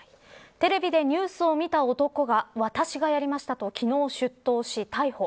テレビでニュースを見た男が私がやりました昨日、出頭し逮捕。